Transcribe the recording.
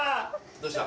どうした？